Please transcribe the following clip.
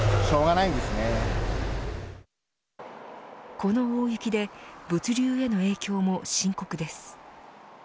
この大雪で物流への影響も深刻です。